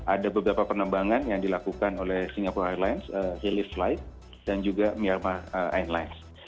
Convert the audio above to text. ada beberapa penambangan yang dilakukan oleh singapore airlines relief flight dan juga myanmar airlines